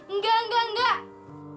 enggak enggak enggak